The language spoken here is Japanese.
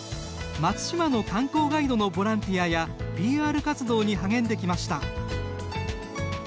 松島の観光ガイドのボランティアやＰＲ活動に励んできました。